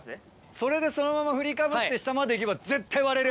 それでそのまま振りかぶって下まで行けば絶対割れる。